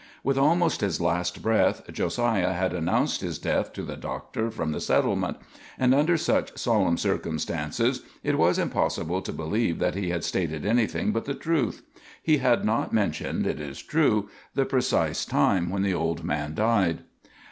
With almost his last breath Josiah had announced his death to the doctor from the settlement; and under such solemn circumstances it was impossible to believe that he had stated anything but the truth. He had not mentioned, it is true, the precise time when the old man died.